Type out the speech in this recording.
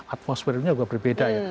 atmosferenya juga berbeda ya